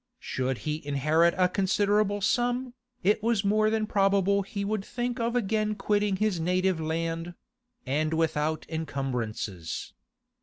Should he inherit a considerable sum, it was more than probable he would think of again quitting his native land—and without encumbrances.